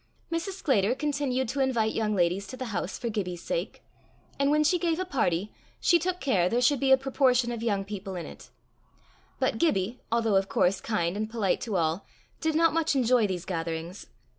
Mrs. Sclater continued to invite young ladies to the house for Gibbie's sake, and when she gave a party, she took care there should be a proportion of young people in it; but Gibbie, although, of course, kind and polite to all, did not much enjoy these gatherings.